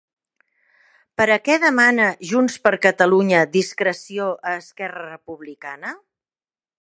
Per a què demana Junts per Catalunya discreció a Esquerra Republicana?